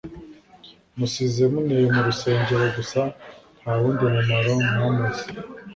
Musize muneye mu rusengero gusa nta wundi mumaro mwamaze